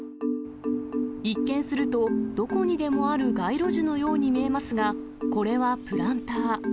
一見すると、どこにでもある街路樹のように見えますが、これはプランター。